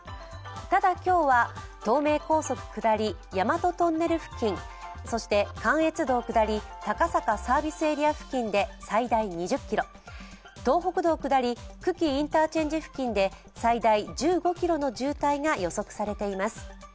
ただ、今日は東名高速下り、大和トンネル付近、そして関越道下り高坂サービスエリア付近で最大２０ｋｍ、東北道下り久喜インターチェンジで最大１５ｋｍの渋滞が予測されています。